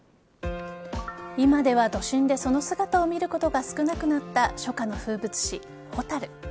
今では都心でその姿を見ることが少なくなった初夏の風物詩・ホタル。